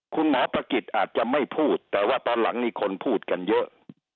ประกิจอาจจะไม่พูดแต่ว่าตอนหลังนี่คนพูดกันเยอะ